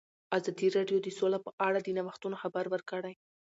ازادي راډیو د سوله په اړه د نوښتونو خبر ورکړی.